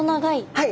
はい。